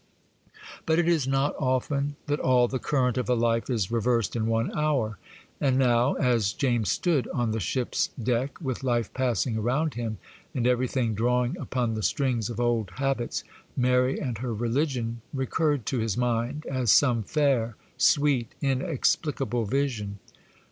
But it is not often that all the current of a life is reversed in one hour: and now, as James stood on the ship's deck, with life passing around him, and everything drawing upon the strings of old habits, Mary and her religion recurred to his mind, as some fair, sweet, inexplicable vision.